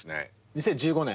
２０１５年。